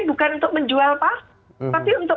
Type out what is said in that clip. bukan untuk menjual pas tapi untuk